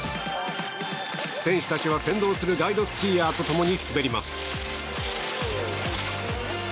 選手たちは先導するガイドスキーヤーと共に滑ります。